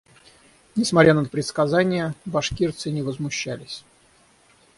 Несмотря на предсказания, башкирцы не возмущались.